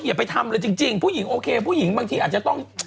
อย่าไปทำเลยจริงผู้หญิงโอเคผู้หญิงบางทีอาจจะต้อง